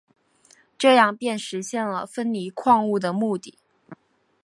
这样便实现了分离矿物的目的。